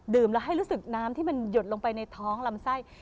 แล้วให้รู้สึกน้ำที่มันหยดลงไปในท้องลำไส้